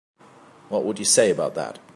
What would you say about that?